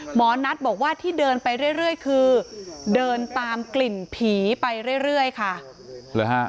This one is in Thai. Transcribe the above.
หมอนัทบอกว่าที่เดินไปเรื่อยคือเดินตามกลิ่นผีไปเรื่อยค่ะ